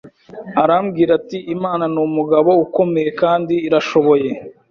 arambwira ati Imana ni umugabo ukomeye kandi irashoboye,